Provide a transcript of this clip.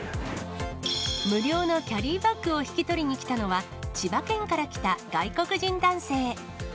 無料のキャリーバッグを引き取りに来たのは、千葉県から来た外国人男性。